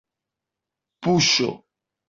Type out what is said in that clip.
puĉo